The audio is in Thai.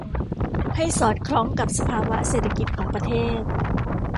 ให้สอดคล้องกับสภาวะเศรษฐกิจของประเทศ